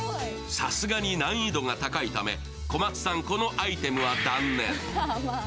さすがに難易度が高いため、小松さん、このアイテムは断念。